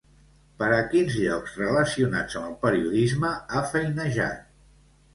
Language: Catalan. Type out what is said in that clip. Per a quins llocs relacionats amb el periodisme ha feinejat?